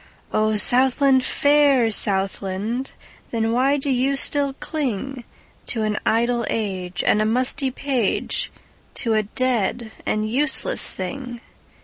O Southland, fair Southland! Then why do you still clingTo an idle age and a musty page, To a dead and useless thing?